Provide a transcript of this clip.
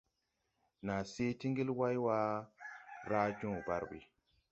Naa se ti ngel wayway raa joo barbi.